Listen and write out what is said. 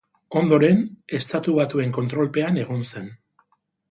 Ondoren, Estatu Batuen kontrolpean egon zen.